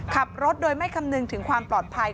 ขับรถโดยไม่คำนึงถึงความปลอดภัย